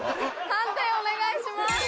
判定お願いします！